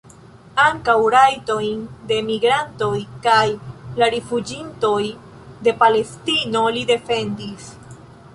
Ankaŭ rajtojn de migrantoj kaj de rifuĝintoj de Palestino li defendis.